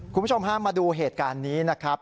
คุณผู้ชมฮะมาดูเหตุการณ์นี้นะครับ